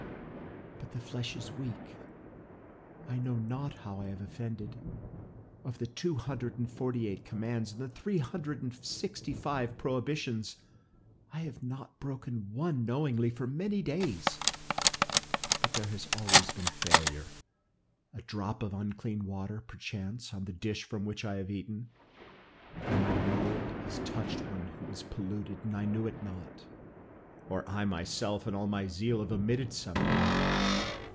But the flesh is weak, I know not how I have offended. Of the two hundred and forty eight commands and the three hundred and sixty five prohibitions, I have not broken one knowingly for many days. But there has always been failure, a drop of unclean water, perchance, on the dish from which I have eaten, or my robe has touched one who is polluted and I knew it not, or I myself in all my zeal have omitted something.